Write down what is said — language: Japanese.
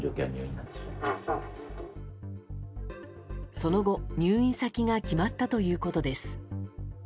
その後、入院先が決まったということです。